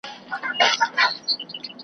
نه په زړه رازونه پخواني لري .